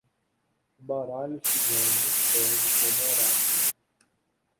O baralho cigano serve como oráculo